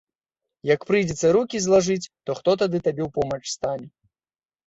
Як прыйдзецца рукі злажыць, то хто табе тады ў помач стане?